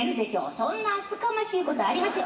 そんな厚かましいことありません。